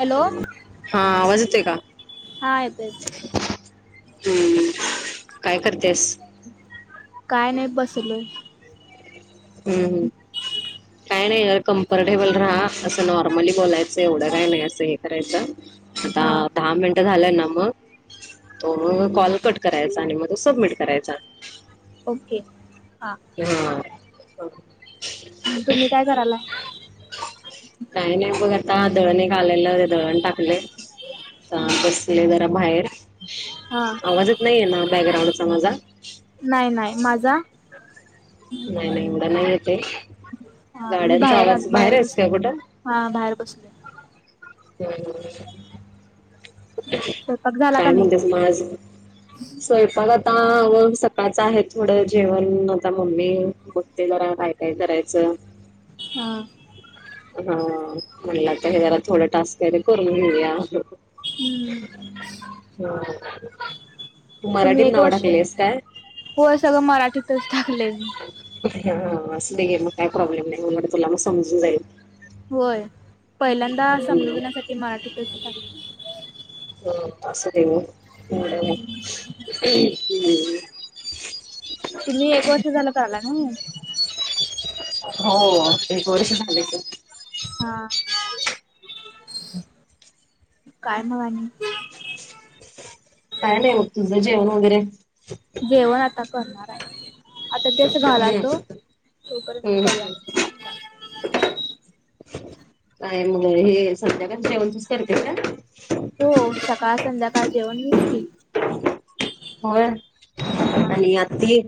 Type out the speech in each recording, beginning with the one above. Hello हा आवाज येतोय का? हा येतो येतो हम्म काय करतीयास? काय नाय बसलोय. हम्. काय नाय कम्फर्टेबल राहा असं नॉर्मली बोलायचं एवढं काय नाही असं हे करायचं. आता हा दहा मिनटं झालंय ना म तो मग कॉल कट करायचा आणि मग त सबमिट करायचा. ओके हा. [unintelligible] [unintelligible] तुम्ही काय करालाय? काय नाय बघ आता दळण एक आलेलं दळण टाकलंय. आता हा बसले जरा बाहेर हा आवाज येत नाईये ना बॅकग्राउंडचा माझा? नाय नाय. माझा? नाय नाय एवढं नाय येतेय हा मी गाड्यांचा आ आवाज बाहेर हायस बसले का कुठं? हा बाहेर बसलोय. स्वयंपाक झाला का काय नाही म्हणतेस म आज? स्वयंपाक आता आव सकाळच आहे थोडं जेवण आता मम्मी बघतीये जरा काय काय करायचं. हा. हा म्हणल आता याला थोडं टास्क हाय ते करून घेऊया. हम्म [unintelligible] तुम्ही एक नाव वर्ष टाकलेस काय? होय सगळं मराठीतच टाकलंय मी. हा असूदे की मग काय प्रॉब्लेम नाय उलट तुला म समजून जाईल. व्हय पहिल्यांदा हम्म समजजण्यासाठी मराठीतच टाकलय. हो असुदे थोडं हम् तुम्ही एक वर्ष झालं का आला नाय? हो एक वर्ष झाल की. हा काय म आणि? काय नाय बघ. तुझं जेवण वगैरे? जेवण आता करणाराय आता तेच हम्म घालालतो तोपर्यंत करूया हम्म काय मग हे संध्याकाळच जेवण तूच करते का? हो सकाळ संध्याकाळ जेवण मीच की. होय हा. आणि आत्ती?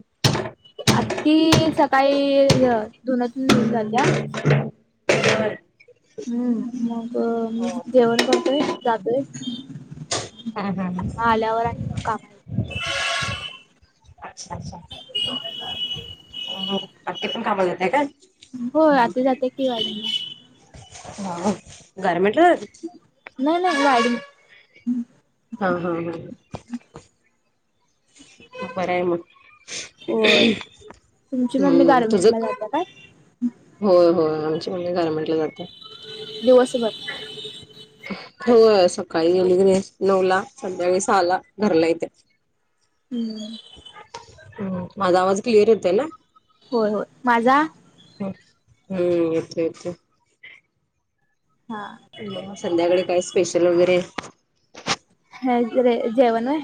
आत्ती सकाळी ह्य धुन धून जातीया. बर. हम्म मग जेवण करतोय जातोय. हा हा हा. आल्यावर आणि काम. [inaudible] अच्छा अच्छा अक्की पण कामाला जात्या काय? होय आक्की जात्या की [unintelligible] हा ह गारमेंटला जाते. नाही नाही वाडी. हा हा हां बरय मग. होय. तुमची मम्मी हम्म तुझं गारमेंटला जात्या काय? होय होय आमची मम्मी गारमेंटला जाते. दिवसभर होय सकाळी गेली की नाही नऊला संध्याकाळी सहाला घरला येते. हम्म हम्म माझा आवाज क्लियर येतोय ना? होय होय माझा? हम्म येतोय येतोय. हां संध्याकाळी काय स्पेशल वगैरे. काहीच नाही जेवण होय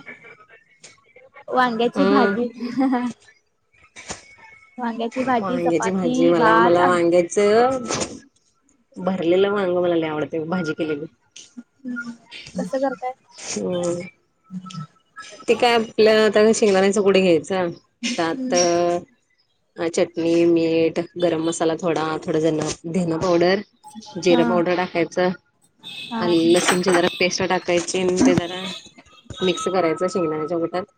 वांग्याची हम्म. भाजी वांग्याची भाजी, वांग्याची चपाती, भाजी मला भात, मला आमटी. वांग्या चं भरलेल वांग मला लय आवडतय भाजी केलेली. हम्म कस करताय? अ ते काय आपलं आता शेंगदाण्याच कुट घ्यायच त्यात हम्म अ अ चटणी मीठ गरम मसाला थोडा थोडा जरा धण पावडर. हा जिर पावडर टाकायचं हा आणि लसून जीर पेस्ट टाकायची आणि ते जरा मिक्स करायच शेंगदाण्याच्या कुटात.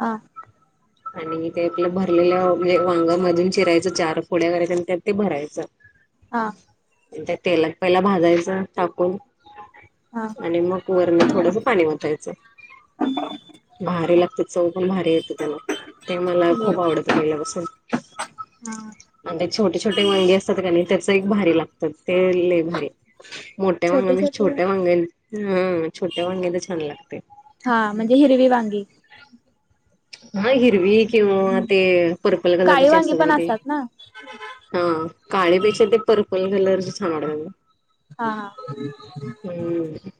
हां आणि ते आपल भरलेल म्हणजे वांग मधून चिरायच चार फोड्या करायच्या आणि त्यात ते भरायच. हां त्या तेलात पहिला भाजायच टाकून. हा आणि मग वरणं थोडस पाणी वतायच. भारी लागतात चव पण भारी येते त्यान ते मला खूप आवडत. पहिल्यापासून. आणि ते छोटे छोटे वांगी असत्यात क ने त्याच एक भारी लागतं ते लय भारी. मोठ्या वांग्या छोटे पेक्षा छोटे छोट्या वांग ह छोट्या वांग्या तर छान लागतय. हां म्हणजे हिरवी वांगी. हा हिरवी किंवा ते पर्पल काळी कलरचे वांगी असतात पण बघा ते. ना हा काळेपेक्षा ते पर्पल कलरच छान वाटत. हा हा हम्म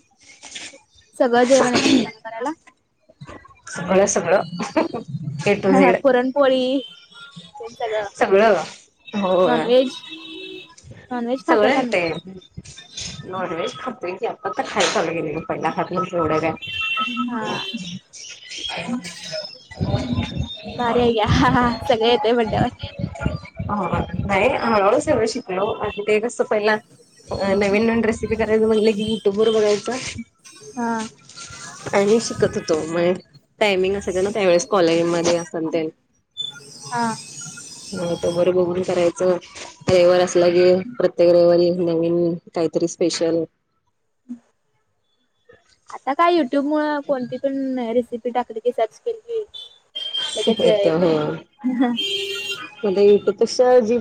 [inaudible] सगळ जेवण येत तुम्हाला करायला? सगळं सगळं. A to Z. पोळी. सगळं होय. नॉनव्हेज नॉनव्हेज खाताय सगळं का येतय. नाही नॉनव्हेज खातोय की, आता आता खाय चालू केलय ग. पहिला खात एवढ काय. हा. भारीय की, सगळे येतोय म्हटल्यावर. ह नाही हळू हळु सगळं शिकलो. ते कस पहिला नवीन नवीन रेसिपी करायच म्हणलं की, युट्यूब वर बघायचं. हा. आणि शिकत होतो. म्हजे टायमिंग असायच ना त्यावेळेस कॉलेजमध्ये असल ते. हा. युट्युब वर बघून करायचं. रविवार असलं की प्रत्येक रविवारी. नवीन काहीतरी स्पेशल. [inaudible] आता काय युट्यूब मूळ कोणती पण रेसिपी टाकली की, सर्च केली की, लगेच येत येतेय. मी ते युट्युब पेक्षा जी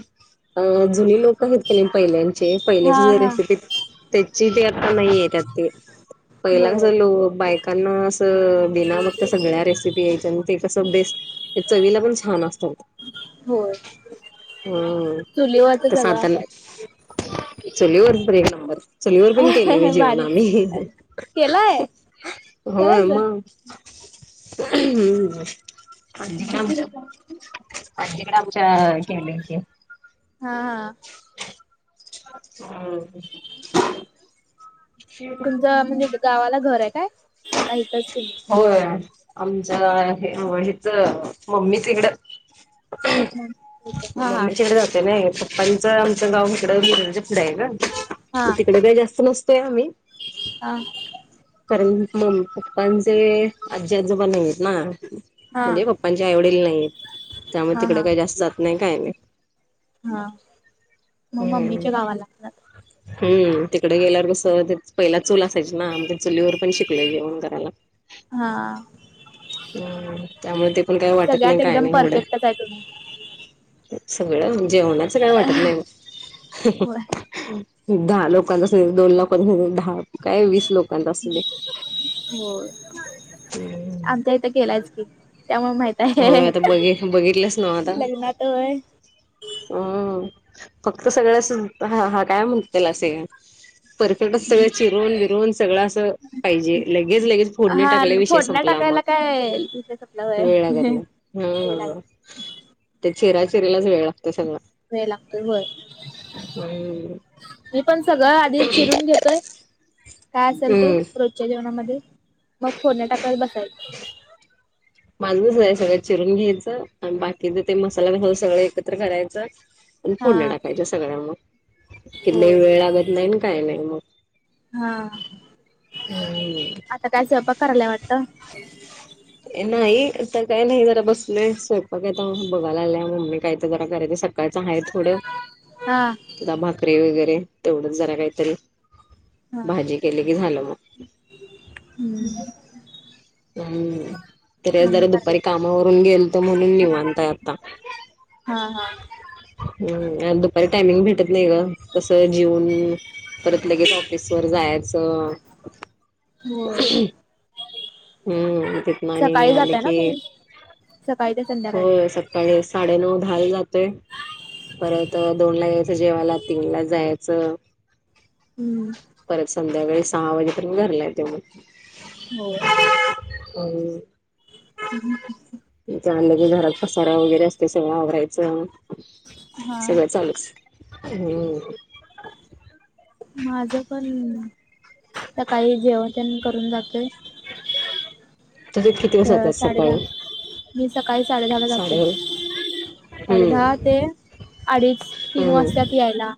अ जुने लोक आहेत का नाही पहिल्याचे. पहिल्याचे हा जुन्या हा रेसिपी त्याची ते नाहीये त्यात ते. पहिलांग कस होय लो बा कांना असं बिना बघता सगळ्या रेसिपी यायच्या. आणि ते कस बेस, ते चवीला पण छान असत. होय ह चुलीवरच तस सगळं आता नाही. चुलीवर एक नंबर [unintelligible] चूलीवर पण केले बाई असायचं जेवण भारीच आम्ही. केलाय होय खरंच मग. [inaudible] तकडे आमच्या केले होते. हा हा. हम् [inaudible] तुमच म्हणजे गावाला घरे काय? का इथच तुम्ही? होय आमच्या हेच मम्मीच तिकडं. मग इथं हा हा मम्मीच्या तीकडे जाते नाय. पप्पान आमच्या गाव इकड विरज पुुडंय ग. तिकडे काही जास्त नसतोय आम्ही. हा हा. कारण मम्मी पप्पांचे आजी आजोबा नाहीेयेत ना. हा म्हणजे पप्पांचे आईवडील नाहीये. त्यामुळे हा तिकडे हा काही जास्त जात नाही काय नाही. हा. म हम्म. मम्मीच्या गावाला जातात? हम्म तिकडे गेल्यावर कसं ते पहिला चूल असायची ना. म ते चुलीवर पण शिकलोय जेवण करायला. हा. हम्म त्यामुळे ते पण काही वाटत नाही सगळ्यात काय एकदम नाही एवढं. परफेक्टच आहे तुम्ही सगळं जेवणाचं काय वाटत नाही बघ. होय दहा लोकांचा. अस दोन लोकां दहा काय वीस लोक होय. आमच्या इथं केलायेच की, त्यामुळे माहित आहे होय आता बघ बघितलंस नाव आता. लग्नात होय ह फक्त सगळ्याच हा हा काय म्हटतेल असेय. परफेक्टच सगळ चिरून -बिरून सगळं असं पाहिजे, लगेच -लगेच फोडणी टाकले विषय संपला मग. तपला व [unintelligible] हम्म, ते चिरा- चिरीलाच वेळ लागतो सगळा. वेळ लागतोय होय हम्म. मी पण सगळं आधी चिरून घेतोय, काय असेल ते हम्म च्या जेवणामध्ये, मग फोडनी टाकात बसायच. माजूनद्धा, हे सगळं चिरून घ्यायचं आणि बाकीच ते मसाला मसाला सगळं एकत्र करायचं प हा फोडणी टाकायच्या सगळ्या मग, कि होय वेळ लागत नाही काही नाही मग. हा. हम्. आता काय स्वयपाक करायला वाटतं? [inaudible] नाही, आता काय नाही जरा बसलोय स्वयंपाक आता बघायला आल्या मम्मी काय तर जरा करायच स कालचं आहे थोडं हा. ता भाकरीे वगैरे तेवढंच जरा काहीतरी, भाजी केले की झालं मग. हम्म. हम्म, तरी आज जरा मम्मी दुपारी करायल्या काम आवरून गेलतो म्हणून निवांत हाय आता. हा हा,, ह दुपारी टायमिंग भेटत नाही ग, तस जेवून परत लगेच ऑफिस वर जायचं. होय हम्म, तितन आणि सकाळी आल जाताय ना की, तुम्ही सकाळी ते हो संध्याकाळी स सकाळी साडेनऊ दहाला जातोय, परत दोन ला यायचं जेवाला, तीन ला जायच. च, हम्म परत संध्याकाळी सहा वाजेपर्यत घरला येतोय मग. होय. अ [inaudible] झालं की घरात पसारा वगैरे असते सगळं आवरायचं, हा सगळं चालूच हम्म. माझ पण, सकाळी जेवण तेन करून जातोय. तुझे किती वाजता अ जातात साडे दहा, सकाळी मी सकाळी साडे दहा ला जाते. साडे हम्म दहा ते, अडीच तीन हम्म वाजतात यायला.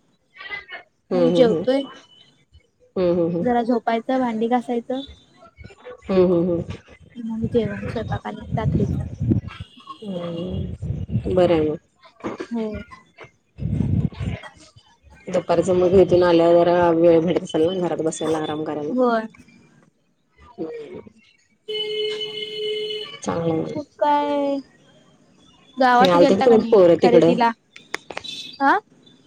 हम्म म हम्म जेवतोय, हम्म हम्म जरा झोपायचं भांडी घासायचं हम्म हम्म हम्म मग जेवण स्वयंपाक आणिक रात्रीच. हम, बरं आहे मग. हो. ह [inaudible] दुपारच मग तिथून आल्यावर जरा वेळ भेटत असल ना, घरात बसायला आराम करायला. होय ह [inaudible] चांगलं आहे काय, हे गावात आलते गेलता का काय बघ नाही पोरं तिकडं खरेदीला? हा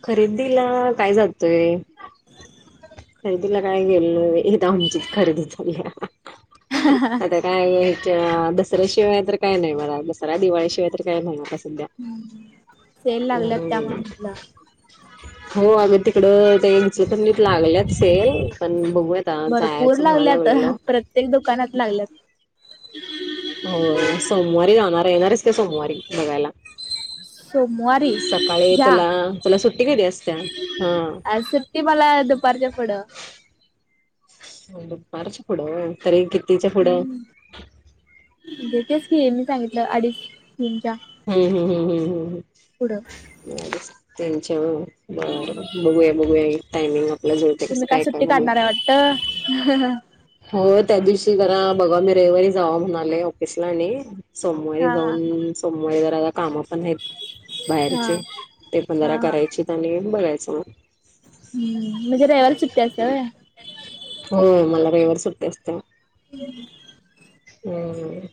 खरेदीला काय जातोय. [inaudible] खरेदीला काय गेलोय, इथ आमचीच खरेदी चालल्या. ह ह [unintelligible] काय हे, च दसऱ्याशिवाय तर काय नाही बघा. दसरा, दिवाळीशिवाय तर काय नाही आता सध्या. हम् ह. हम्म हो अगं, तिकडं इचंलकरंजीत लागल्यात सेल पण बघूया आता भरपूर जायचं म्हणाय लागल्यात लागलेलो. प्रत्येक दुकानात लागल्यात. हो, सोमवारी जाणार हाय, येणार आहेस काय? सोमवारी बघायला. सोमवारी सकाळी घ्या तुला, तुला सुट्टी कधी असतीया. हा. ती मला दुपारच्या पुढं. म, दुपारच्या पुढं होय तरी कितीच्या पुढं? येथेच की मी सांगितलं, अडीच तीनचा. हम्म, हम्, हम्, हम्, हम्, हम्. पुढ. त्यांच्या वर बरं बघूया, बघूया टाइमिंगवर. तुम्ही काय सुट्टी काढणार हाय वाटत? हम्म हह हो, त्या दिवशी जरा, बघा मी रविवारी जावाव म्हणले ऑफिसला आणि सोमवारी हा हा जाऊन, सोमवारी जरा काम पण आहीत. हा बाहेरचे, ते पन हा जरा हा करायचे आणि बघायचं मग. हम्म, म्हणजे रविवारी सुट्टी असतीया होय? हो मला रविवारी सुट्टी असतीया वो. हम् हम्म.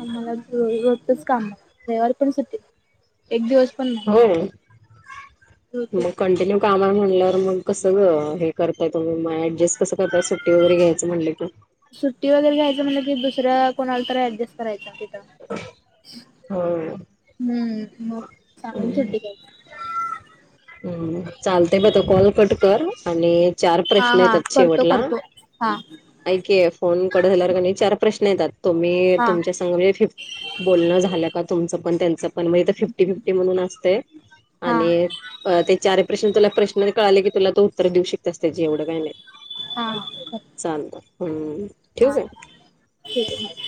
आम्हाला रोजच काम, रविवारी पण सुट्टी एक दिवस पण नाही. हो, मग रोजच काम कंटिन्यू काम म्हणल्यावर मग कस गं, हे करताय तुम्ही ऍडजस्ट कसं करताय सुट्टी वगैरे घ्यायचं म्हणली की? सुट्टी वगैरे घ्यायचं म्हणलं कि दुसऱ्या कोणाला तर ऍडजेस्टस करायच तिथं. होय. हम्म, मग सागून सुट्टी घायची. हम्, चालतय ब त कॉल कट कर आणि चार हा प्रश्न हा येतात करतो शेवटला. करतो हा. ऐक की, फोन कट झाल्यावर कणी चार प्रश्न येतात. तुम्ही हा तुमच्या संग म्हणजे फि बोलणं झालं का तुमचं पण, त्याचं पण फिफ्टी-फिफ्टी म्हणून असतय हा आणि ते चार प्रश्न तुला प्रश्न कळाले की तुला तो उत्तर देऊ शकतेस त्याचे, एवढं काय नाही. हा. कर चालतय, हम्म. ठेवू हा, काय? ठीक आहे मग.